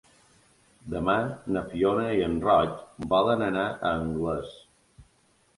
Demà na Fiona i en Roc volen anar a Anglès.